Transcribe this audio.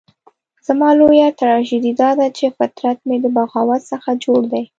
زما لويه تراژیدي داده چې فطرت مې د بغاوت څخه جوړ دی.